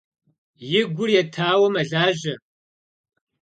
И гур етауэ мэлажьэ.